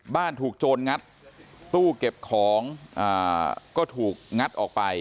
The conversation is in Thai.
ถูกโจรงัดตู้เก็บของก็ถูกงัดออกไป